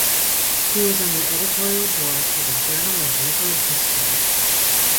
He was on the editorial board for the "Journal of Liberal History".